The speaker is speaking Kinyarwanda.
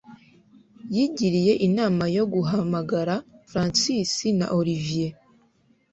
yigiriye inama yo guhamagara Francis na Olivier